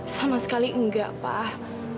sama sekali enggak pak